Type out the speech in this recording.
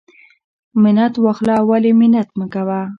منت واخله ولی منت مکوه.